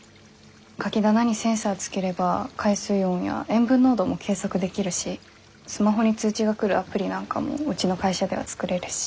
カキ棚にセンサーつければ海水温や塩分濃度も計測できるしスマホに通知が来るアプリなんかもうちの会社では作れるし。